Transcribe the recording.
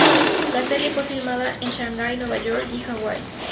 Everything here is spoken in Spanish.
La serie fue filmada en Shanghai, Nueva York y Hawaii.